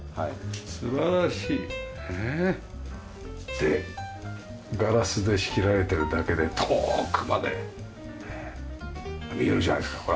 でガラスで仕切られてるだけで遠くまで見えるじゃないですかほら。